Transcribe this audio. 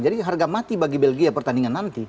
jadi harga mati bagi belgia pertandingan nanti